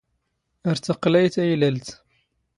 ⴰⵔ ⵜⴰⵇⵇⵍⴰⵢ ⵜⴰⵢⵍⴰⵍⵜ.